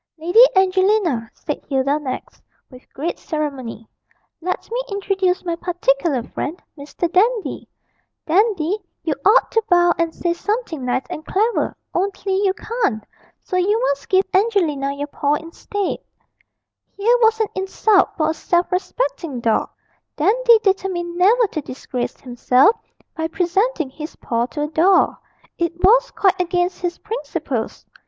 'Lady Angelina,' said Hilda next, with great ceremony, 'let me introduce my particular friend Mr. Dandy. Dandy, you ought to bow and say something nice and clever, only you can't; so you must give Angelina your paw instead.' Here was an insult for a self respecting dog! Dandy determined never to disgrace himself by presenting his paw to a doll; it was quite against his principles.